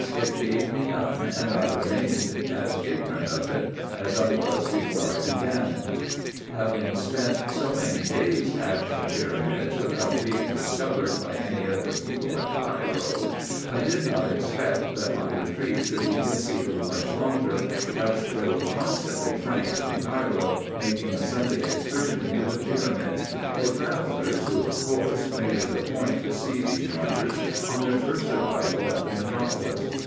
it gave me none, and I remained as ignorant of it as I was before I began. Having spent so many days at the pyramids without being dis covered by any of the people at Cairo, I did not expect, that my retreat could be concealed much longer, as there were constantly Franks from Cairo making a Sunday's excursion to the pyramids, or travellers, who, of course, made it a point to see these wonders on their first arrival at the metropolis.